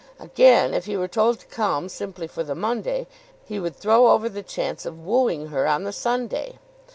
Again if he were told to come simply for the Monday, he would throw over the chance of wooing her on the Sunday.